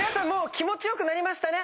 気持ち良くなりましたね？